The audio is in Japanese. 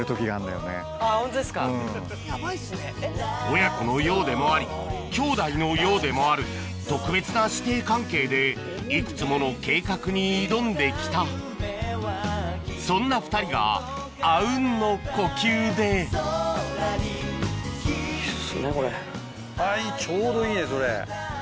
親子のようでもあり兄弟のようでもある特別な師弟関係で幾つもの計画に挑んできたそんな２人があうんの呼吸でうん。